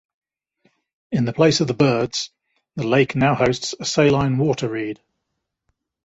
In the place of the birds, the lake now hosts a saline water reed.